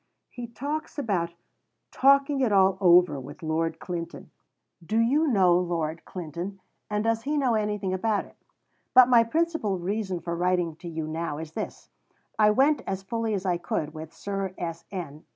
He talks about "talking it all over with Lord Clinton." Do you know Lord Clinton, and does he know anything about it? But my principal reason for writing to you now is this: I went as fully as I could with Sir S. N.